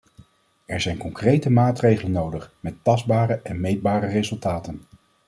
Er zijn concrete maatregelen nodig, met tastbare en meetbare resultaten.